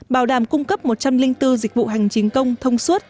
bảo đảm cung cấp một trăm linh bốn dịch vụ hành chính công thông suốt